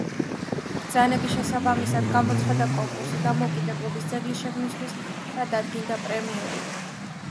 ბრძანების შესაბამისად, გამოცხადდა კონკურსი დამოუკიდებლობის ძეგლის შექმნისთვის და დადგინდა პრემიები.